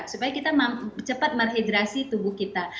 supaya kita cepat meredrasi tubuh kita